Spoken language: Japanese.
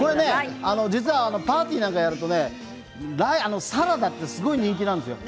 パーティーなんかをやるとサラダってすごい人気なんですよ。